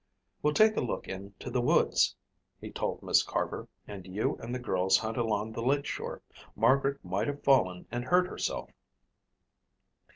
"We'll take a look into the woods," he told Miss Carver, "and you and the girls hunt along the lake shore. Margaret might have fallen and hurt herself."